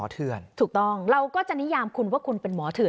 เถื่อนถูกต้องเราก็จะนิยามคุณว่าคุณเป็นหมอเถื่อน